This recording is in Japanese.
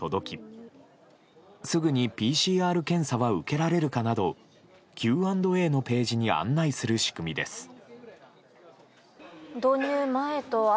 きすぐにＰＣＲ検査は受けられるかなどＱ＆Ａのページに案内する仕組みです。